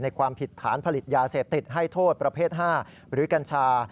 ความผิดฐานผลิตยาเสพติดให้โทษประเภท๕หรือกัญชา